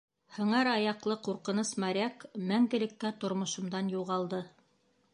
Һыңар аяҡлы ҡурҡыныс моряк мәңгелеккә тормошомдан юғалды.